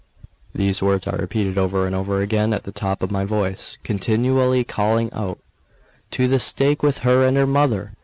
These words I repeated over and over again at the top of my voice, continually calling out: "To the stake with her and her mother!"